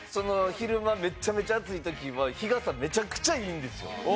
昼間めっちゃめちゃ暑い時は日傘めちゃくちゃいいんですよ。